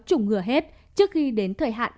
chủng ngừa hết trước khi đến thời hạn